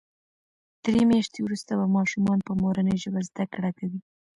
درې میاشتې وروسته به ماشومان په مورنۍ ژبه زده کړه کوي.